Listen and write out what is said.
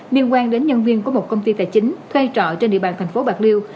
liên quan đến nhân viên của một công ty tài chính thuê trọ trên địa bàn thành phố bạc liêu